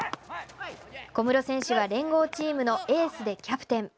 小室選手は連合チームのエースでキャプテン。